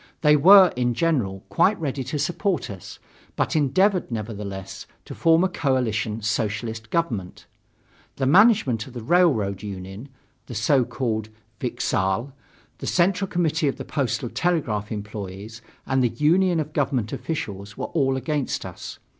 They were, in general, quite ready to support us, but endeavored, nevertheless, to form a coalition Socialist government. The management of the railroad union (the so called vikzhal), the Central Committee of the Postal Telegraph employees, and the Union of Government Officials were all against us.